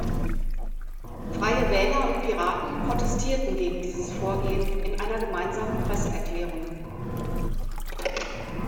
Freie Wähler und Piraten protestierten gegen dieses Vorgehen in einer gemeinsamen Presseerklärung.